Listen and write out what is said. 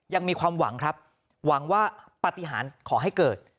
ยังมีความหวังครับหวังว่าปฏิหารขอให้เกิด